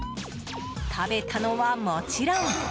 食べたのは、もちろん。